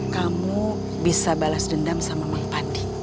kamu bisa balas dendam sama pang pandi